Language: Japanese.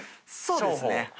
そうですね。